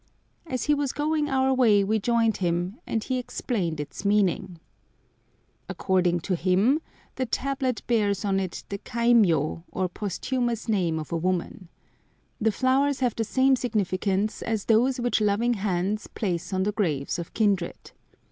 As he was going our way we joined him, and he explained its meaning. [Picture: The Flowing Invocation] According to him the tablet bears on it the kaimiyô, or posthumous name of a woman. The flowers have the same significance as those which loving hands place on the graves of kindred.